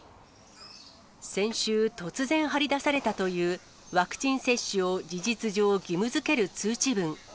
先週、突然貼り出されたという、ワクチン接種を事実上、義務づける通知文。